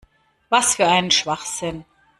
Was für ein Schwachsinn!